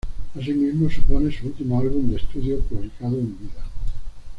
Asimismo, supone su último álbum de estudio publicado en vida.